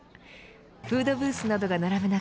フードブースなどが並ぶ中